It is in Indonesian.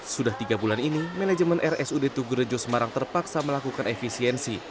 sudah tiga bulan ini manajemen rsud tugurejo semarang terpaksa melakukan efisiensi